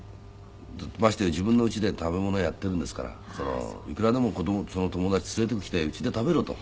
ましてや自分の家で食べ物屋やっているんですからいくらでも友達連れてきて家で食べろと。